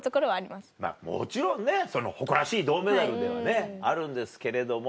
まぁもちろんね誇らしい銅メダルではあるんですけれども。